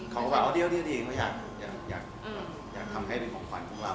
เขาก็บอกว่าเดี๋ยวเขาอยากทำให้เป็นของขวัญของเรา